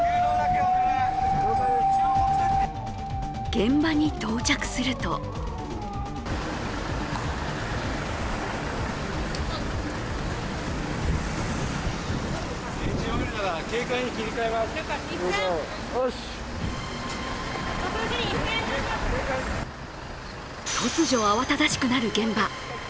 現場に到着すると突如、慌ただしくなる現場。